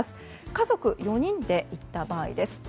家族４人で行った場合です。